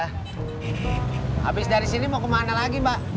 habis dari sini mau kemana lagi mbak